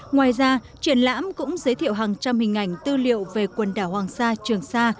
ngoài ra triển lãm cũng giới thiệu hàng trăm hình ảnh tư liệu về quần đảo hoàng sa trường sa